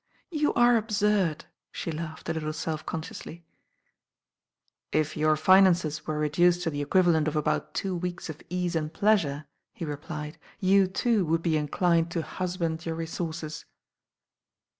"You are absurd," she laughed a little self consciously. "If your finances were reduced to the equivalent of about two weeks of ease and pleasure," he replied, "you, too, would be mdined to husband your resources."